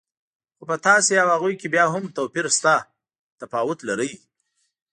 خو په تاسو او هغوی کې بیا هم توپیر شته، تفاوت لرئ.